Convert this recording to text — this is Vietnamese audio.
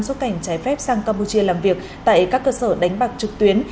xuất cảnh trái phép sang campuchia làm việc tại các cơ sở đánh bạc trực tuyến